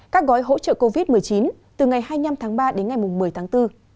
các gói hỗ trợ covid một mươi chín từ ngày hai mươi năm tháng ba đến ngày một mươi tháng bốn